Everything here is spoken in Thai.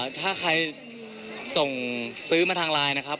ถ้าใครส่งซื้อมาทางไลน์นะครับ